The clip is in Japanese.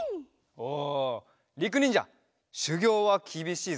おりくにんじゃしゅぎょうはきびしいぞ。